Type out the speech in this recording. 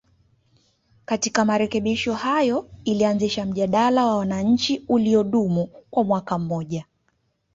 Katika marekebisho hayo ilianzisha mjadala wa wananchi uliodumu kwa mwaka mmoja